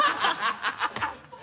ハハハ